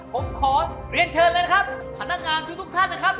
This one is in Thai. ผมขอเรียนเชิญเลยนะครับพนักงานทุกท่านนะครับ